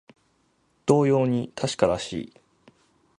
同様に確からしい